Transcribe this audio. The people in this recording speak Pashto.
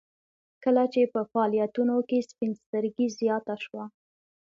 کله چې په فعاليتونو کې سپين سترګي زياته شوه.